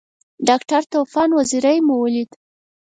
ډاکټر طوفان وزیری مو ولید.